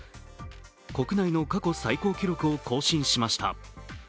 国内の過去最高記録を更新しました。